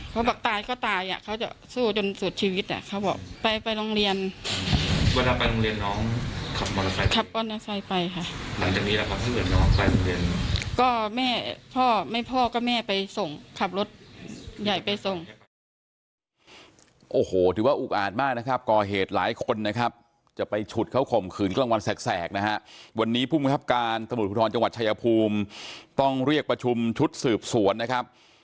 ขอบคุณครินกะมุดโยธินผู้สื่อขาดรัสทีวีที่ไปตามคดีนี้นะครับได้คุยกับคุณแม่ของผู้สื่อขาดรัสทีวีที่ไปตามคดีนี้นะครับ